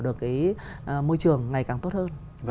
được cái môi trường ngày càng tốt hơn